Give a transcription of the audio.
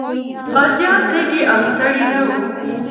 غازيان تږي او ستړي نه وو.